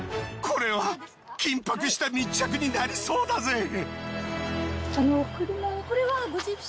これは緊迫した密着になりそうだぜ。